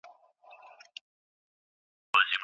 آیا د بادامو وني ډېرو اوبو ته اړتیا لري؟.